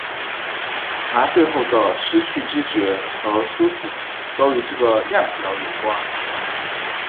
麻醉后的失去知觉和苏醒都与这个量表相关。